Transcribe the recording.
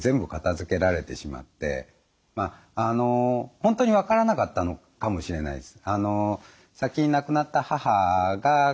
本当に分からなかったのかもしれないです。